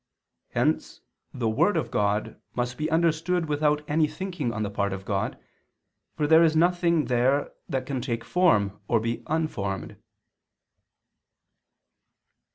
Hence the Word of God must be understood without any thinking on the part of God, for there is nothing there that can take form, or be unformed."